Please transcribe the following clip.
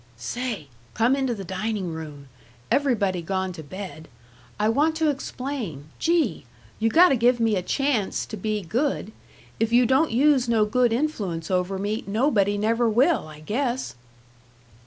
"Say, come into the dining room. Everybody gone to bed. I want to explain gee! you gotta give me a chance to be good. If you don't use no good influence over me, nobody never will, I guess."